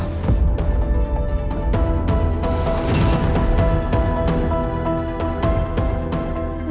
aku akan tahu benar